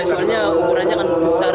soalnya ukurannya kan besar